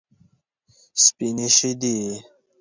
سپینې شیدې.